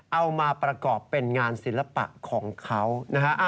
เอามาประกอบเป็นงานศิลปะของเขานะฮะ